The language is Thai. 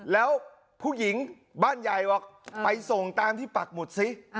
แล้วผู้หญิงบ้านใหญ่บอกไปส่งตามที่ปักหมุดซิ